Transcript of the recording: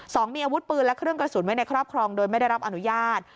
สองมีอาวุธปืนและเครื่องกระสุนไว้ในครอบครองโดยไม่ได้รับอนุญาต